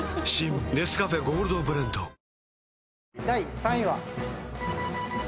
第３位は。